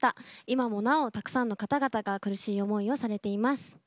今もなお、たくさんの方々が苦しい思いをされています。